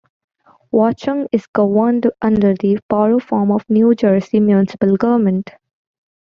Watchung is governed under the Borough form of New Jersey municipal government.